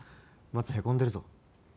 松へこんでるぞ。